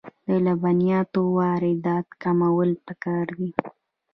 د لبنیاتو واردات کمول پکار دي